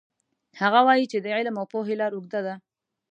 هغه وایي چې د علم او پوهې لار اوږده ده